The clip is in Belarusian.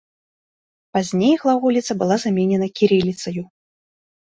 Пазней глаголіца была заменена кірыліцаю.